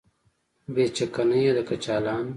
بې چکنۍ د کچالانو